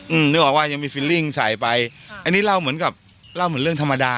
นึกออกว่ายังมีฟิลลิ่งใส่ไปอันนี้เล่าเหมือนกับเล่าเหมือนเรื่องธรรมดา